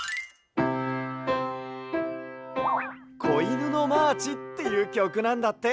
「こいぬのマーチ」っていうきょくなんだって。